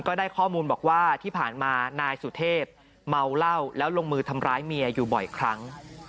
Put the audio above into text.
ได้ข้อมูลบอกว่าที่ผ่านมานายสุเทพเมาเหล้าแล้วลงมือทำร้ายเมียอยู่บ่อยครั้ง